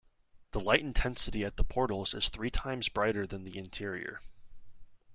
The light intensity at the portals is three times brighter than the interior.